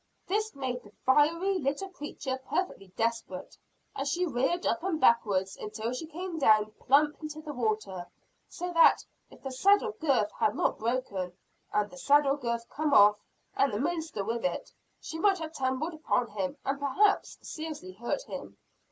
This made the fiery little creature perfectly desperate, and she reared up and backwards, until she came down plump into the water; so that, if the saddle girth had not broken, and the saddle come off, and the minister with it, she might have tumbled upon him and perhaps seriously hurt him.